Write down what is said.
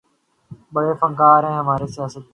بڑے فنکار ہیں ہمارے سیاستدان